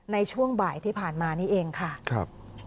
ในช่วงบ่ายที่ผ่านมานี่เองค่ะครับ